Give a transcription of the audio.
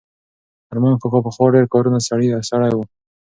ارمان کاکا پخوا ډېر کاري سړی و.